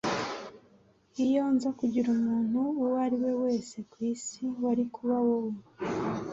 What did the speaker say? Iyo nza kugira umuntu uwo ari we wese ku isi, wari kuba wowe